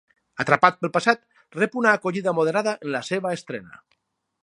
Atrapat pel passat rep una acollida moderada en la seva estrena.